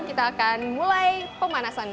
kita akan mulai pemanasan